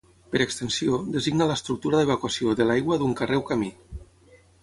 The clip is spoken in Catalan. Per extensió, designa l'estructura d'evacuació de l'aigua d'un carrer o camí.